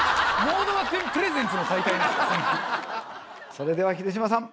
それでは秀島さん